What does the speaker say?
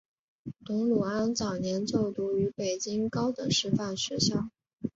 董鲁安早年就读于北京高等师范学校。